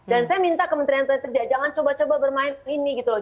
dan saya minta kementerian ketenagakerja jangan coba coba bermain ini gitu loh